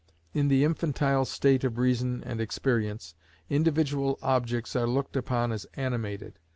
In the infantile state of reason and experience, individual objects are looked upon as animated.